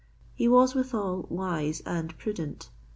He was withal wise and prudent.